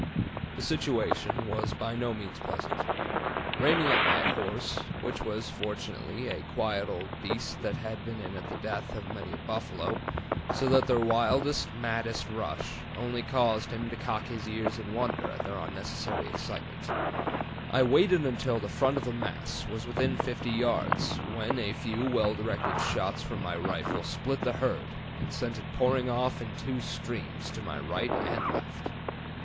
"The situation was by no means pleasant. Reining up my horse (which was fortunately a quiet old beast that had been in at the death of many a buffalo, so that their wildest, maddest rush only caused him to cock his ears in wonder at their unnecessary excitement), I waited until the front of the mass was within 50 yards, when a few well directed shots from my rifle split the herd, and sent it pouring off in two streams to my right and left.